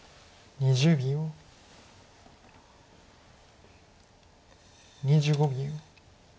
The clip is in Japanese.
２５秒。